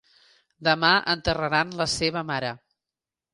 Demà enterraran la seva mare.